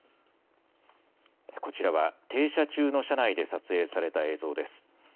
こちらは停車中の車内で撮影された映像です。